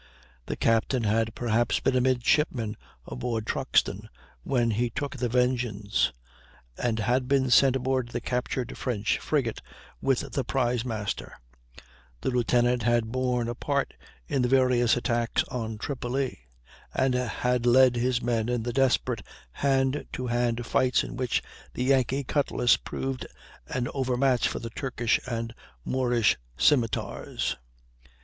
The captain had perhaps been a midshipman under Truxtun when he took the Vengeance, and had been sent aboard the captured French frigate with the prize master; the lieutenant had borne a part in the various attacks on Tripoli, and had led his men in the desperate hand to hand fights in which the Yankee cutlass proved an overmatch for the Turkish and Moorish scimitars.